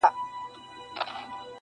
مور له خلکو شرم احساسوي او ځان پټوي-